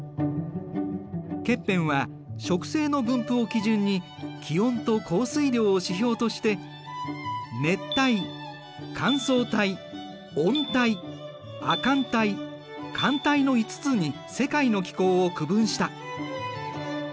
ケッペンは植生の分布を基準に気温と降水量を指標として熱帯乾燥帯温帯亜寒帯寒帯の５つに世界の気候を区分した。